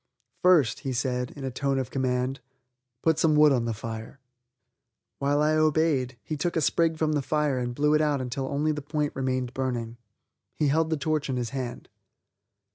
"First," he said, in a tone of command, "put some wood on the fire." While I obeyed, he took a sprig from the fire and blew it out until only the point remained burning. He held the torch in his hand.